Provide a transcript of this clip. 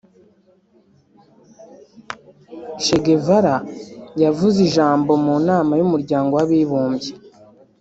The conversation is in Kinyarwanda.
Che Guevara yavuze ijambo mu nama y’umuryango w’abibumbye